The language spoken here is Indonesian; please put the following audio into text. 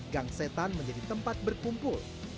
gang setan menjadi tempat berkumpul